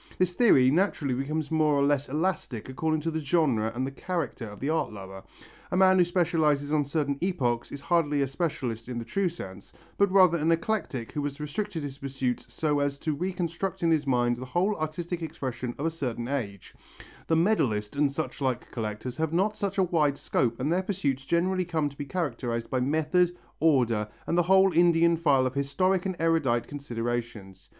This theory naturally becomes more or less elastic according to the genre and the character of the art lover. A man who is a specialist on certain epochs is hardly a specialist in the true sense, but rather an eclectic who has restricted his pursuits so as to reconstruct in his mind the whole artistic expression of a certain age: the medallist and such like collectors have not such a wide scope and their pursuits generally come to be characterized by method, order and a whole Indian file of historic and erudite considerations.